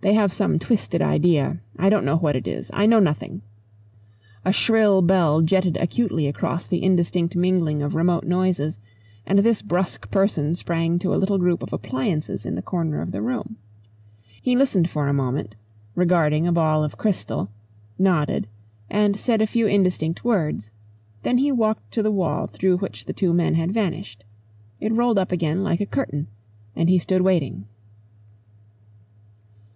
They have some twisted idea. I don't know what it is. I know nothing." A shrill bell jetted acutely across the indistinct mingling of remote noises, and this brusque person sprang to a little group of appliances in the corner of the room. He listened for a moment, regarding a ball of crystal, nodded, and said a few indistinct words; then he walked to the wall through which the two men had vanished. It rolled up again like a curtain, and he stood waiting.